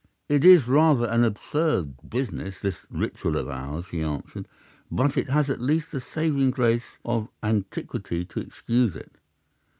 "'It is rather an absurd business, this ritual of ours,' he answered. 'But it has at least the saving grace of antiquity to excuse it.